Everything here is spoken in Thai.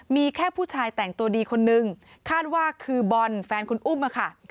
มีแค่ผู้ชายแต่งตัวดีคนนึงคาดว่าคือบอลแฟนคุณอุ้มค่ะ